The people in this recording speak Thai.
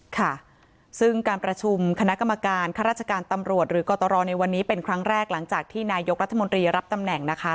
ค่ะซึ่งการประชุมคณะกรรมการข้าราชการตำรวจหรือกตรในวันนี้เป็นครั้งแรกหลังจากที่นายกรัฐมนตรีรับตำแหน่งนะคะ